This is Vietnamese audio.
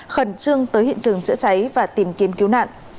khẩn trương tới hiện trường chữa cháy và tìm kiếm cứu nạn